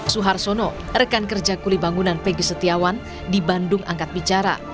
suharsono rekan kerja kulibangunan peggy setiawan di bandung angkat bicara